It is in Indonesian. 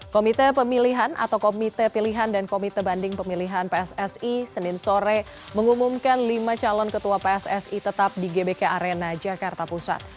komite pemilihan atau komite pilihan dan komite banding pemilihan pssi senin sore mengumumkan lima calon ketua pssi tetap di gbk arena jakarta pusat